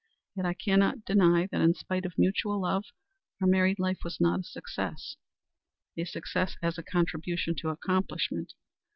Yet I cannot deny that in spite of mutual love our married life was not a success a success as a contribution to accomplishment.